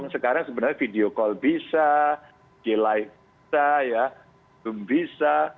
sekarang sebenarnya video call bisa g live bisa zoom bisa